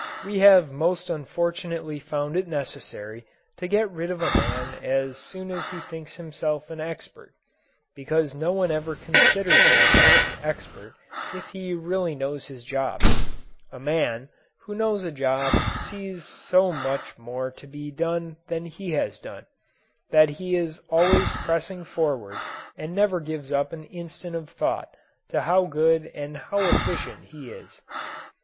We have most unfortunately found it necessary to get rid of a man as soon as he thinks himself an expert because no one ever considers himself expert if he really knows his job. A man who knows a job sees so much more to be done than he has done, that he is always pressing forward and never gives up an instant of thought to how good and how efficient he is.